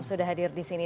sudah hadir di sini